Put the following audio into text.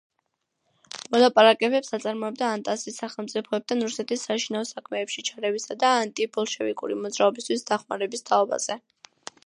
მოლაპარაკებებს აწარმოებდა ანტანტის სახელმწიფოებთან რუსეთის საშინაო საქმეებში ჩარევისა და ანტიბოლშევიკური მოძრაობისთვის დახმარების თაობაზე.